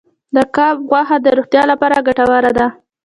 د کب غوښه د روغتیا لپاره ګټوره ده.